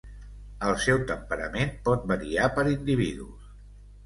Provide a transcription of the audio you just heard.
El seu temperament pot variar per individus.